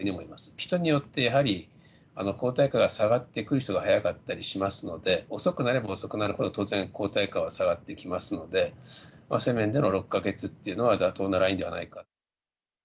人によってやはり、抗体価が下がってくるのが早かったりしますので、遅くなれば遅くなるほど、当然、抗体価は下がってきますので、そういう意味での６か月というのは妥当なラインではないか。